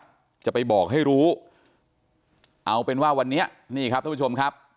จะไปบอกให้รู้เอาเป็นว่าวันนี้นี่ครับท่านผู้ชมครับ